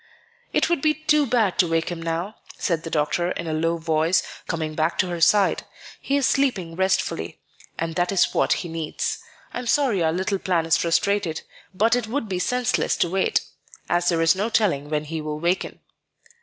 "It would be too bad to wake him now," said the doctor, in a low voice, coming back to her side; "he is sleeping restfully; and that is what he needs. I am sorry our little plan is frustrated; but it would be senseless to wait, as there is no telling when he will waken."